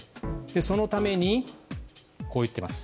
そのために、こう言っています。